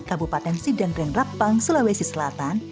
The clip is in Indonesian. kabupaten sidanren rapang sulawesi selatan